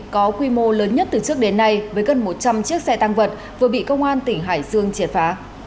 có quy mô lớn nhất từ trước đến nay với gần một trăm linh chiếc xe tăng vật vừa bị công an tỉnh hải dương triệt phá